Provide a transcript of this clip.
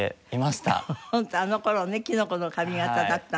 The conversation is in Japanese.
ホントあの頃ねキノコの髪形だったんだ。